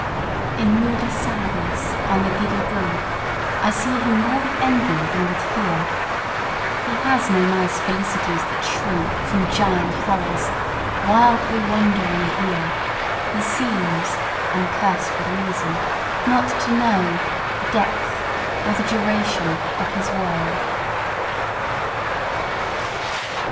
In moody sadness, on the giddy brink, I see him more with envy than with fear; He has no nice felicities that shrink From giant horrors; wildly wandering here, He seems (uncursed with reason) not to know The depth or the duration of his woe.